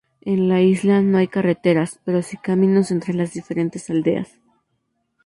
En la isla no hay carreteras, pero sí caminos entre las diferentes aldeas.